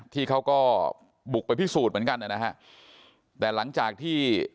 ที่เขาก็บุกไปพิสูจน์เหมือนกันนะฮะแต่หลังจากที่